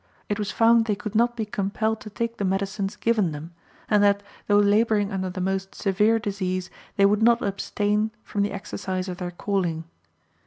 It was found they could not be compelled to take the medicines given them; and that, though laboring under the most severe disease, they would not abstain from the exercise of their calling.